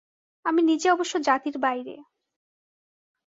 আমি নিজে অবশ্য জাতির বাইরে।